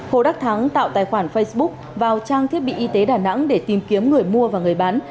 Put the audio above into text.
hồ đắc thắng tạo tài khoản facebook vào trang thiết bị y tế đà nẵng để tìm kiếm người mua và người bán